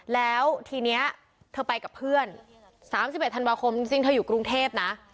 แล้วทีนี้เธอไปกับเพื่อน๓๑ธันวาคมจริงเธออยู่กรุงเทพนะ